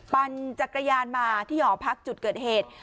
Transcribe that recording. ปั่นจักรยานมาที่หอพักจุดเกิดเหตุ